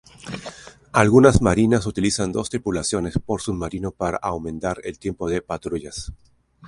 Algunas Marinas utilizan dos tripulaciones por submarino para aumentar el tiempo de patrullas.